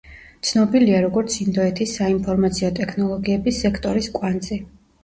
ცნობილია, როგორც ინდოეთის საინფორმაციო ტექნოლოგიების სექტორის კვანძი.